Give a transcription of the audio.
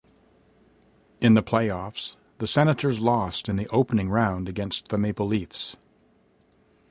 In the playoffs, the Senators lost in the opening round against the Maple Leafs.